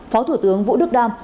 phó thủ tướng vũ đức đam